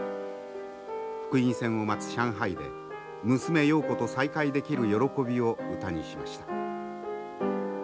復員船を待つ上海で娘瑤子と再会できる喜びを歌にしました。